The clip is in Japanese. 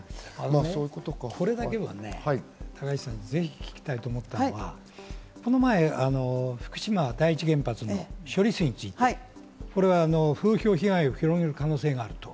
これだけはね高市さん、ぜひ聞きたいと思ったのが、この前、福島第一原発の処理水について、風評被害を広める可能性があると。